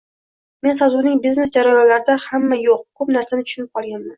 men sotuvning biznes jarayonlarida hamma, yoʻq, koʻp narsani tushunib qolganman.